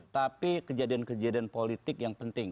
tapi kejadian kejadian politik yang penting